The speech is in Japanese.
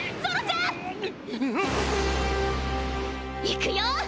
いくよ！